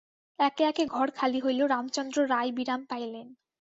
একে একে ঘর খালি হইল, রামচন্দ্র রায় বিরাম পাইলেন।